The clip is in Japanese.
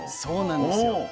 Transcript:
そうなんですよ。